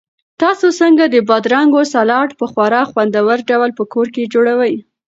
تاسو څنګه د بادرنګو سالاډ په خورا خوندور ډول په کور کې جوړوئ؟